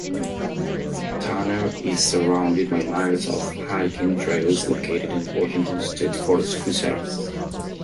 Tanner is surrounded by miles of hiking trails located in Washington State Forest Reserves.